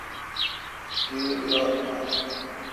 گیب ران نان۔